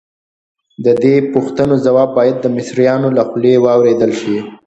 د دې پوښتنو ځواب باید د مصریانو له خولې واورېدل شي.